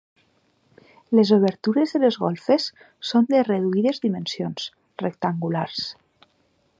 Les obertures de les golfes són de reduïdes dimensions, rectangulars.